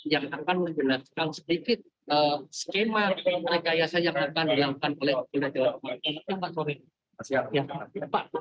yang akan menjelaskan sedikit skema rekayasa yang akan dilakukan oleh polda jawa timur